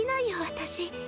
私。